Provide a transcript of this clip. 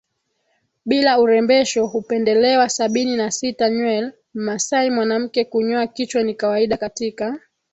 bila urembesho hupendelewa Sabini na sita Nywel Mmasai mwanamke Kunyoa kichwa ni kawaida katika